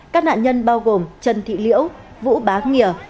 các nạn nhân bao gồm trần thị liễu vũ bá nghia